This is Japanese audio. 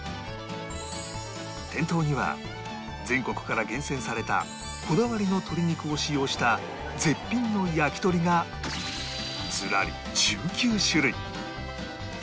店頭には全国から厳選されたこだわりの鶏肉を使用した絶品の焼き鳥がずらり１９種類